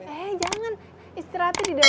eh gue istirahat sini dulu ya